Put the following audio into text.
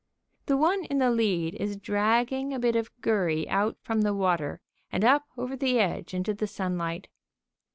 The one in the lead is dragging a bit of gurry out from the water and up over the edge into the sunlight.